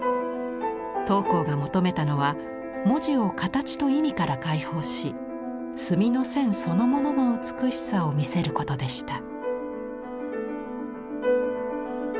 桃紅が求めたのは文字を形と意味から解放し墨の線そのものの美しさを見せることでした。